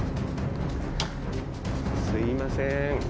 すいません。